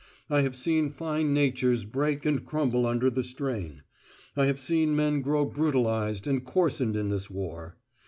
I have seen fine natures break and crumble under the strain. I have seen men grow brutalised, and coarsened in this war.